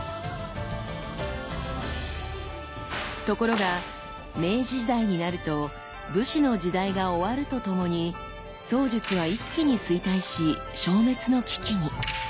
ところが明治時代になると武士の時代が終わるとともに槍術は一気に衰退し消滅の危機に。